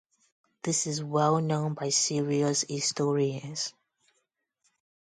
This is well known by serious historians.